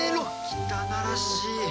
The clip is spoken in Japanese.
汚らしい。